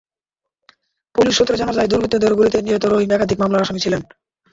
Police সূত্রে জানা যায়, দুর্বৃত্তদের গুলিতে নিহত রহিম একাধিক মামলার আসামি ছিলেন।